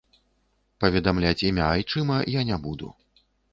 Паведамляць імя айчыма я не буду.